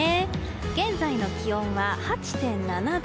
現在の気温は８．７度。